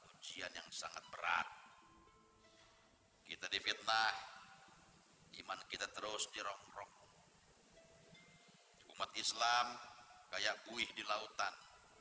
ujian yang sangat berat kita di fitnah iman kita terus di ronggok umat islam kayak buih di lautan